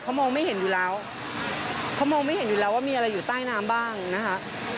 เขามองไม่เห็นอยู่แล้วเขามองไม่เห็นอยู่แล้วว่ามีอะไรอยู่ใต้น้ำบ้างนะคะ